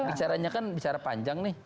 bicaranya kan bicara panjang nih